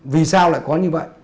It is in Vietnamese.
vì sao lại có như vậy